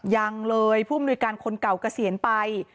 ยังเลยผู้มนุยการคนเก่ากระเสียนไป